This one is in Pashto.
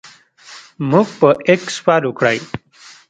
موږ پر اکس فالو کړئ